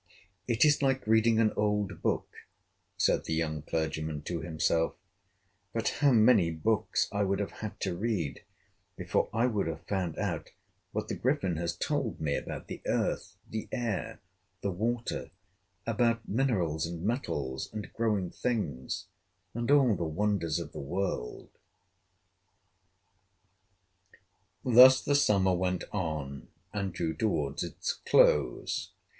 "It is like reading an old book," said the young clergyman to himself; "but how many books I would have had to read before I would have found out what the Griffin has told me about the earth, the air, the water, about minerals, and metals, and growing things, and all the wonders of the world!" Thus the summer went on, and drew toward its close.